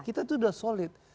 kita itu sudah solid